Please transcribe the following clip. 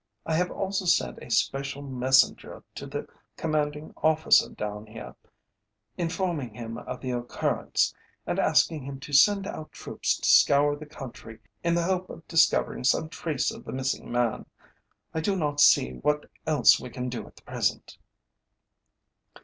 "I have also sent a special messenger to the commanding officer down here, informing him of the occurrence, and asking him to send out troops to scour the country in the hope of discovering some trace of the missing man. I do not see what else we can do at the present."